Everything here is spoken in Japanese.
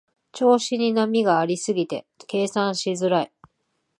調子に波がありすぎて計算しづらい